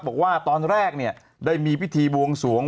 บอกว่าตอนแรกเนี่ยได้มีพิธีบวงสวง